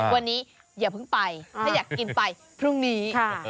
วันนี้อย่าเพิ่งไปถ้าอยากกินไปพรุ่งนี้